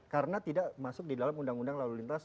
karena tidak masuk di dalam undang undang lalu lintas